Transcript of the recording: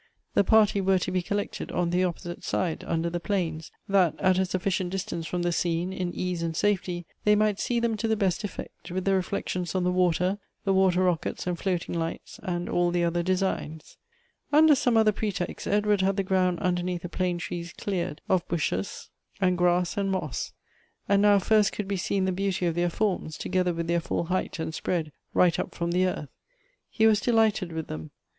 The party wore to be collected on the opposite side, under the planes, that at a sufficient distance from the scene, in ease and safety, they might see them to the best effect, with the reflections on the water, the water rockets, and floating lights, and all the other designs. Under some other pretext, Edward had the ground underneath the plane trees cleared of bushes and grass 120 Goethe's and moss. And now first could be seen the beauty of their forms, together with their full height and spread, right up from the earth. He was delighted with them.